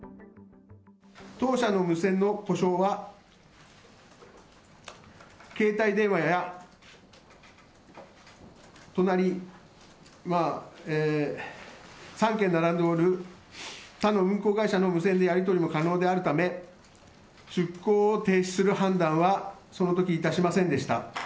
当社の無線の故障は、携帯電話や隣３軒並んでおる他の運航会社の無線でのやり取りも可能であるため、出航を停止する判断はそのときいたしませんでした。